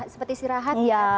seperti sirahat ya